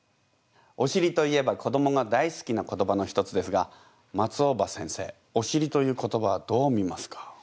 おしりといえば子どもが大好きな言葉の一つですが松尾葉先生おしりという言葉どう見ますか？